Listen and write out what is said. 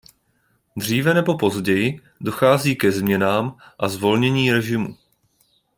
Dříve nebo později dochází ke změnám a zvolnění režimu.